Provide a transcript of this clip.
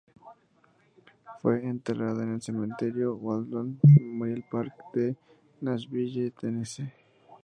Fue enterrada en el Cementerio Woodlawn Memorial Park de Nashville, Tennessee.